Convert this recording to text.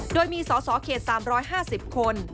โดยมีสสเขต๓๕๐คน